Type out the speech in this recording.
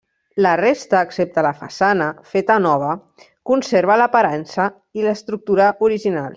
La resta, excepte la façana, feta nova, conserva l'aparença i l'estructura originals.